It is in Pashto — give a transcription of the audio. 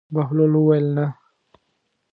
بهلول وویل: نه.